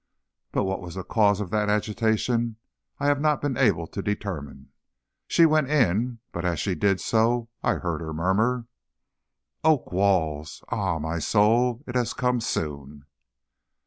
But what was the cause of that agitation I have not been able to determine. She went in, but as she did so, I heard her murmur: "Oak walls! Ah, my soul! it has come soon!"